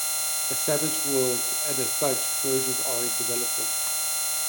A "Savage Worlds" and a "Fudge" version are in development.